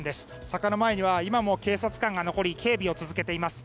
坂の前には今も警察官が残り警備を続けています。